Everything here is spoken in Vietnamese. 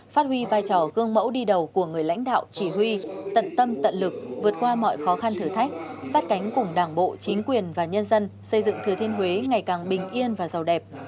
phát huy vai trò gương mẫu đi đầu của người lãnh đạo chỉ huy tận tâm tận lực vượt qua mọi khó khăn thử thách sát cánh cùng đảng bộ chính quyền và nhân dân xây dựng thừa thiên huế ngày càng bình yên và giàu đẹp